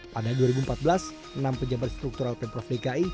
pada dua ribu empat belas enam pejabat struktural pemprov dki